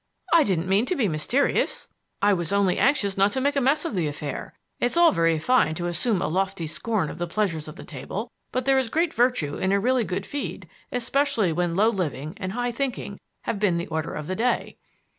"I didn't mean to be mysterious; I was only anxious not to make a mess of the affair. It's all very fine to assume a lofty scorn of the pleasures of the table, but there is great virtue in a really good feed, especially when low living and high thinking have been the order of the day."